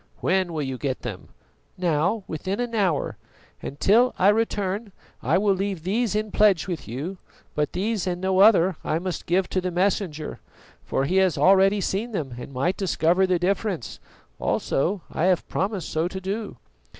"When will you get them?" "Now, within an hour. And till I return I will leave these in pledge with you; but these and no other I must give to the Messenger, for he has already seen them and might discover the difference; also I have promised so to do."